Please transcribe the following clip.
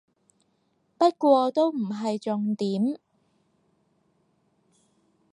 不過都唔係重點